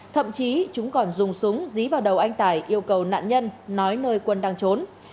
thậm chí chúng còn dùng súng dí vào đầu anh tài yêu cầu nạn nhân nói nơi quân đang trốn